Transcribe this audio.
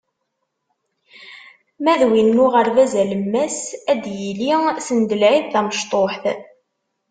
Ma d win n uɣerbaz alemmas, ad d-yili send lɛid tamecṭuḥt.